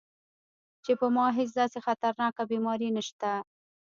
چې پۀ ما هېڅ داسې خطرناکه بيماري نشته -